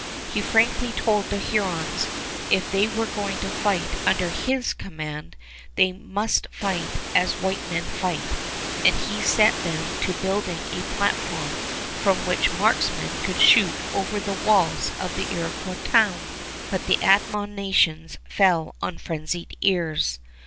He frankly told the Hurons if they were going to fight under his command, they must fight as white men fight; and he set them to building a platform from which marksmen could shoot over the walls of the Iroquois town. But the admonitions fell on frenzied ears.